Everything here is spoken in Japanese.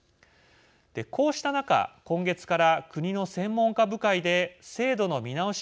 こうした中今月から国の専門家部会で制度の見直し